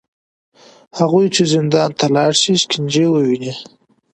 هغوی چې زندان ته لاړ شي، شکنجې وویني